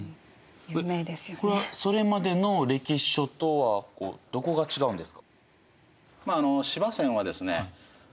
これはそれまでの歴史書とはどこが違うんですか？